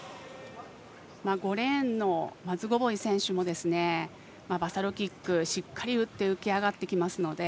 ５レーンのマズゴボイ選手もバサロキック、しっかり打って浮き上がってきますので。